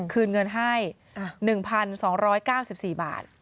คืนเงินให้๑๒๙๔บาท